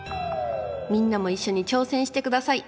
みんなも一緒に挑戦してください。